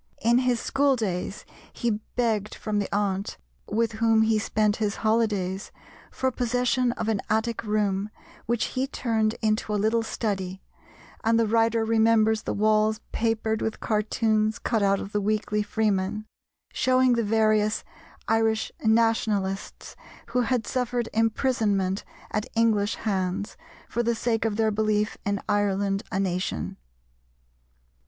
In his school days he begged from the aunt, with whom he spent his holidays, for possession of an attic room which he turned into a little study, and the writer remembers the walls papered with cartoons cut out of the Weekly Freeman, showing the various Irish Nationalists who had suffered imprisonment at English hands for the sake of their belief in Ireland a Nation.